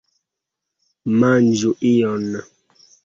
Manĝu ion!